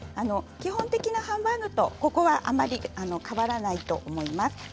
基本的なハンバーグとここはあまり変わらないと思います。